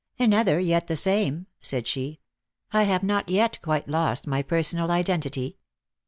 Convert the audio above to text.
"Another, yet the same," said she. "I have not yet quite lost my personal identity."